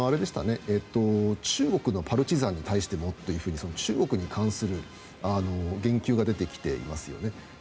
中国のパルチザンに対してもと中国に対する言及が出てきていますよね。